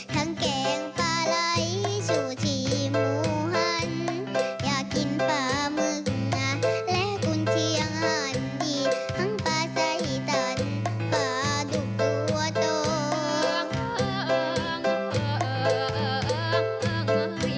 ทั้งแกงปลายสุทธิมูฮันอยากกินปลาเมืองและกุญเทียงฮันที่